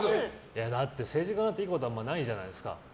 だって政治家になっていいことないじゃないですか。